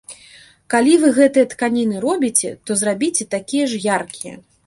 Калі вы гэтыя тканіны робіце, то зрабіце такія ж яркія.